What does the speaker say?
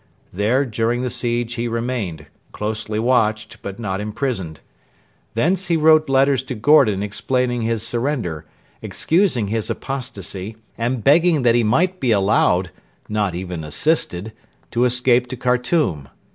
There during the siege he remained, closely watched but not imprisoned. Thence he wrote letters to Gordon explaining his surrender, excusing his apostacy, and begging that he might be allowed not even assisted to escape to Khartoum.